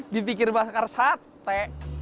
dipikir bakar sate